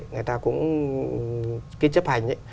người ta cũng kiến chấp hành